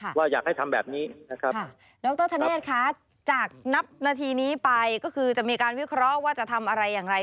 ว่าอยากให้ทำแบบนี้นะครับค่ะดรธเนธคะจากนับนาทีนี้ไปก็คือจะมีการวิเคราะห์ว่าจะทำอะไรอย่างไร